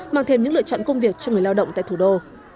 mang thêm những lựa chọn công việc cho người lao động tại thủ đô